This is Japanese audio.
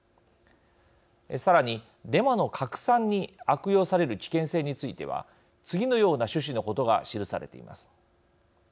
さらに、デマの拡散に悪用される危険性については次のような趣旨のことが記されています。